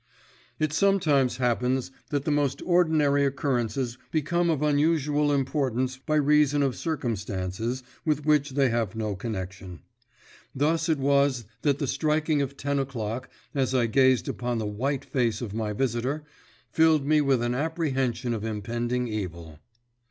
It sometimes happens that the most ordinary occurrences become of unusual importance by reason of circumstances with which they have no connection. Thus it was that the striking of ten o'clock, as I gazed upon the white face of my visitor, filled me with an apprehension of impending evil.